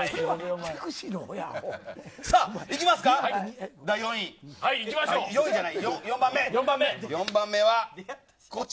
いきますか、第４位４位じゃない、４番目。